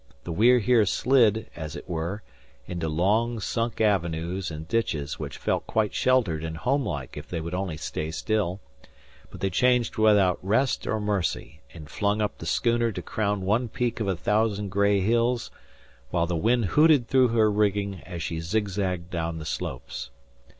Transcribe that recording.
The We're Here slid, as it were, into long, sunk avenues and ditches which felt quite sheltered and homelike if they would only stay still; but they changed without rest or mercy, and flung up the schooner to crown one peak of a thousand gray hills, while the wind hooted through her rigging as she zigzagged down the slopes.